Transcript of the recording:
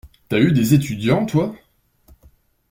T'as eu des étudiants toi?